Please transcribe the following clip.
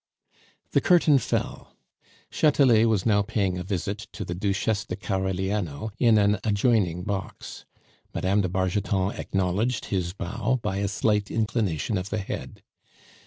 The curtain fell. Chatelet was now paying a visit to the Duchesse de Carigliano in an adjourning box; Mme. de Bargeton acknowledged his bow by a slight inclination of the head.